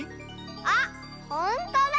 あっほんとだ！